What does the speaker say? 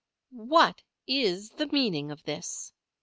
"What is the meaning of this?"